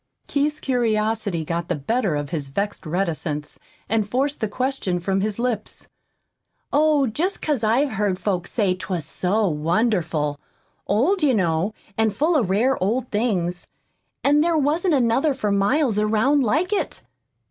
Keith's curiosity got the better of his vexed reticence, and forced the question from his lips. "Oh, just 'cause I've heard folks say 'twas so wonderful old, you know, and full of rare old things, and there wasn't another for miles around like it.